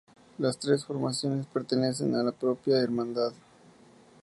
Las tres formaciones pertenecen a la propia hermandad.